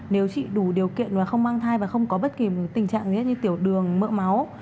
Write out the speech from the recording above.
nếu chị đủ điều kiện mà không mang thai và không có bất kỳ tình trạng rét như tiểu đường mỡ máu